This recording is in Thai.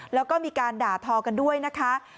แล้วก็มีการด่าทอกันด้วยนะคะ